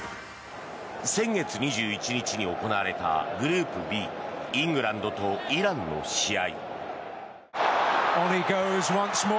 先月２１日に行われたグループＢイングランドとイランの試合。